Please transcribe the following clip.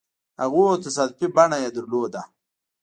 هغو تصادفي بڼه يې درلوده.